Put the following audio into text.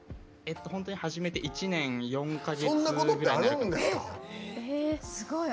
本当に始めて１年４か月ぐらい。